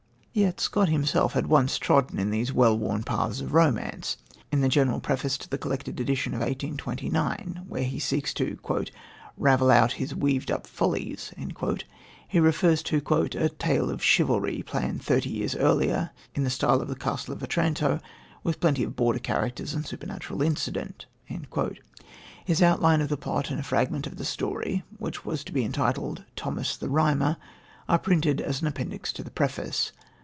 Yet Scott himself had once trodden in these well worn paths of romance. In the general preface to the collected edition of 1829, wherein he seeks to "ravel out his weaved up follies," he refers to "a tale of chivalry planned thirty years earlier in the style of The Castle of Otranto, with plenty of Border characters and supernatural incident." His outline of the plot and a fragment of the story, which was to be entitled Thomas the Rhymer, are printed as an appendix to the preface.